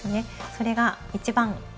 それが一番です。